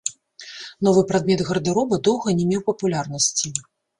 Новы прадмет гардэроба доўга не меў папулярнасці.